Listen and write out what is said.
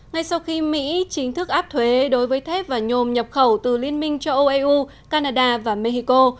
ngay sau khi mỹ chính thức áp thuế đối với thép và nhôm nhập khẩu từ liên minh cho eu canada và mexico